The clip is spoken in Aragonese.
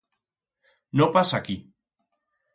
No pas aquí!